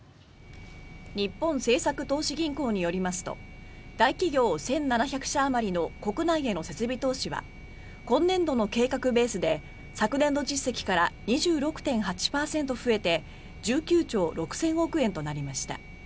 日本政策投資銀行によりますと大企業１７００社あまりの国内への設備投資は今年度の計画ベースで昨年度実績から２６．８％増えて１９兆６０００億円となりました。